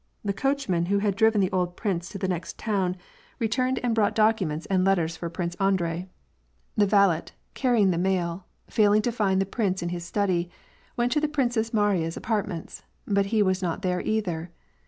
The coachman who had driven the old prince to the next town returned and 96 WAR AND PEACE. brought documents and letters for Prince Andrei. The valet, carrying the mail, failing to find the prince in his study, went to the Princess Mariya's apartments, but he was not there either.